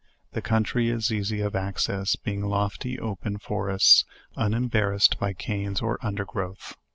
The country is easy of access, being lofty open forests, unembar rassed by canes or undergrowth.